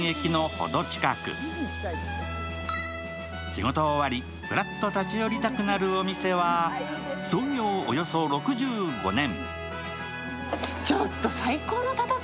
仕事終わり、ふらっと立ち寄りたくなるお店は、創業およそ６５年。